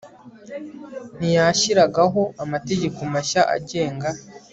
ntiyashyiragaho amategeko mashya agenga